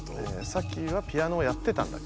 サキはピアノをやってたんだっけ？